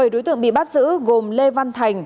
bảy đối tượng bị bắt giữ gồm lê văn thành